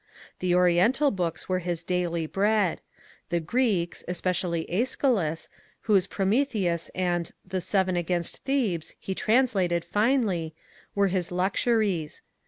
The Oriental books were his daily bread ; the Greeks (especially ^schylus, whose "Prometheus" and "The Seven against Thebes " he translated finely) were his luxuries.